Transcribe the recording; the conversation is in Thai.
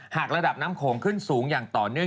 หากระดับน้ำโขงขึ้นสูงอย่างต่อเนื่อง